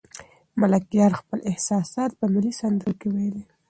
ملکیار خپل احساسات په ملي سندرو کې ویلي.